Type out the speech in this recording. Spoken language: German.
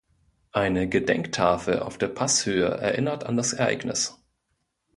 Eine Gedenktafel auf der Passhöhe erinnert an das Ereignis.